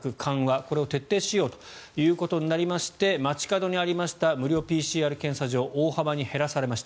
これを徹底しようとなりまして街角にありました無料ＰＣＲ検査場大幅に減らされました。